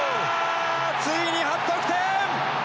ついに初得点！